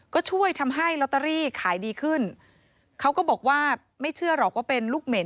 ก็ช่วยทำให้ลอตเตอรี่ขายดีขึ้นเขาก็บอกว่าไม่เชื่อหรอกว่าเป็นลูกเหม็น